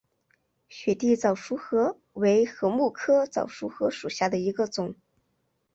雪地早熟禾为禾本科早熟禾属下的一个种。